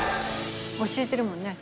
教えてるもんね。